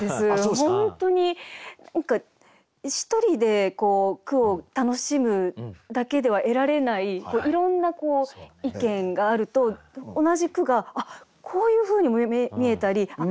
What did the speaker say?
本当に一人で句を楽しむだけでは得られないいろんな意見があると同じ句があっこういうふうにも見えたりあっ